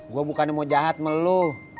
gue bukan mau jahat sama lo